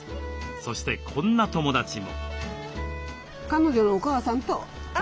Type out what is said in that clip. そしてこんな友だちも。